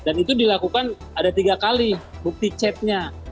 dan itu dilakukan ada tiga kali bukti chatnya